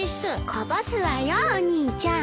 こぼすわよお兄ちゃん。